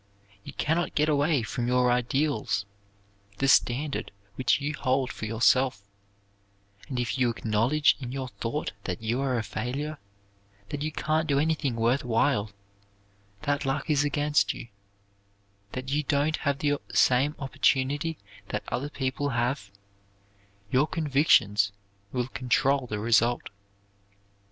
You can not get away from your ideals, the standard which you hold for yourself, and if you acknowledge in your thought that you are a failure, that you can't do anything worth while, that luck is against you, that you don't have the same opportunity that other people have your convictions will control the result.